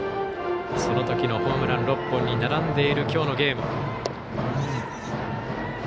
そのときのホームラン６本に並んでいるきょうのゲーム。